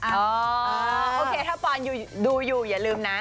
โอเคถ้าปอนดูอยู่อย่าลืมนะ